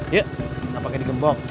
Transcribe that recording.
yuk gak pake di gembok